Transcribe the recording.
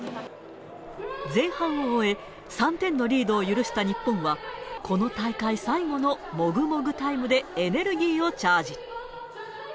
前半を終え、３点のリードを許した日本は、この大会最後のもぐもぐタイムでエネルギーをチャージ。